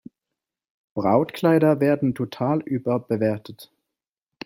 Brautkleider werden total überbewertet.